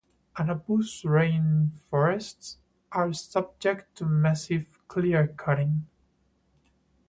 Anapu's rain forests are subject to massive clearcutting.